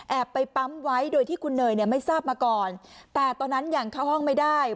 ไปปั๊มไว้โดยที่คุณเนยเนี่ยไม่ทราบมาก่อนแต่ตอนนั้นยังเข้าห้องไม่ได้